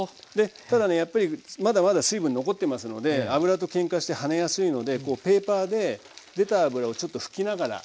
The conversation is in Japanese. ただねやっぱりまだまだ水分残ってますので脂とけんかして跳ねやすいのでこうペーパーで出た脂をちょっと拭きながら。